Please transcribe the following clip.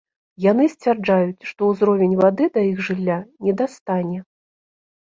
Яны сцвярджаюць, што ўзровень вады да іх жылля не дастане.